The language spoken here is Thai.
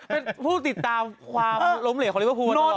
เป็นผู้ติดตามความล้มเหลกของลิฟฟฟูกันตลอด